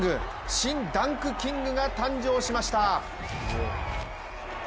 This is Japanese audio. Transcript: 新ダンクキングが誕生しました。